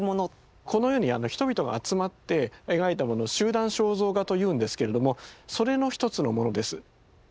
このように人々が集まって描いたものを「集団肖像画」と言うんですけれどもそれの一つのものです。